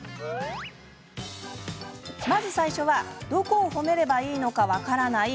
まず最初はどこを褒めればいいのか分からない。